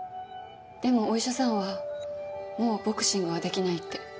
でもお医者さんはもうボクシングはできないって。